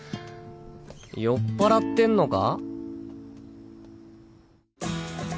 酔っぱらってんのか？